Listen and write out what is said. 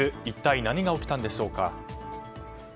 一体何が起きたんでしょうか。